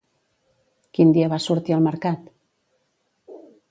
Quin dia va sortir al mercat?